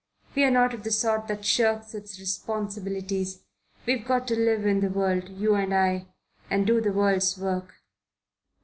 We're not of the sort that shirks its responsibilities. We've got to live in the world, you and I, and do the world's work."